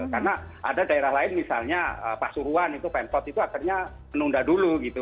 karena ada daerah lain misalnya pasuruan itu pensot itu akhirnya menunda dulu gitu